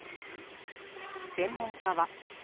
専門家は。